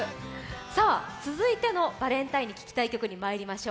続いてのバレンタインに聴きたい曲、いきましょう。